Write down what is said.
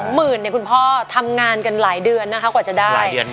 หมื่นเนี่ยคุณพ่อทำงานกันหลายเดือนนะคะกว่าจะได้